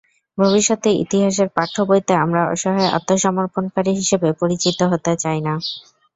ভবিষ্যতে ইতিহাসের পাঠ্যবইতে আমরা অসহায় আত্মসমর্পণকারী হিসেবে পরিচিত হতে চাই না।